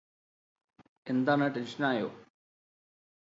എന്താണ് ടെൻഷനായോ